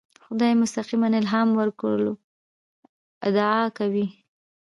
خدای مستقیماً الهام ورکولو ادعا کوي.